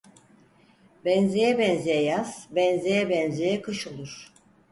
Benzeye benzeye yaz, benzeye benzeye kış olur.